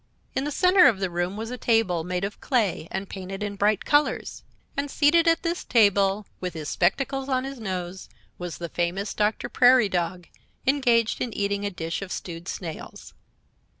In the center of the room was a table, made of clay and painted in bright colors; and seated at this table, with his spectacles on his nose, was the famous Doctor Prairiedog, engaged in eating a dish of stewed snails.